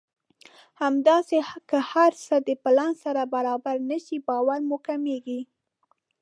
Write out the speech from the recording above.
همداسې که هر څه د پلان سره برابر نه شي باور مو کمېږي.